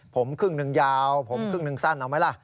ผมครึ่งหนึ่งยาวผมครึ่งหนึ่งสั้นเอาไหมล่ะ